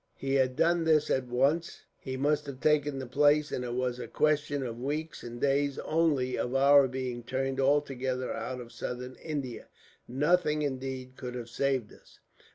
Had he done this at once, he must have taken the place, and it was a question of weeks and days only of our being turned altogether out of Southern India. Nothing, indeed, could have saved us.